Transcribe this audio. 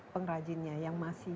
pengrajinnya yang masih